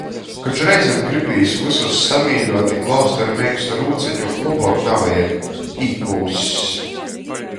Koč reizem gribīs vysus samīļuot i glaust ar meikstu rūceņu, lobuok navajag. Īkūss!